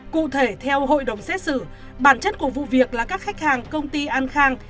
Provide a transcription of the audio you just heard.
cụ thể theo hội đồng xét xử bản chất của vụ việc là các khách hàng công ty an khang